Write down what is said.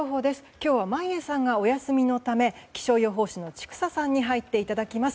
今日は眞家さんがお休みのため気象予報士の千種さんに入っていただきます。